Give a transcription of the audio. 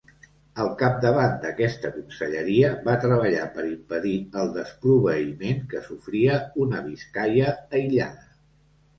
Al capdavant d'aquesta conselleria va treballar per impedir el desproveïment que sofria una Biscaia aïllada.